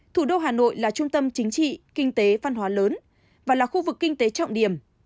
thủ đô hà nội là trung tâm chính trị kinh tế văn hóa lớn và là khu vực kinh tế trọng điểm